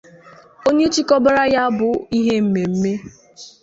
onye chịkọbara ya bụ ihe mmemme